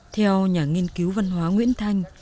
theo nhà nghiên cứu văn hóa nguyễn thành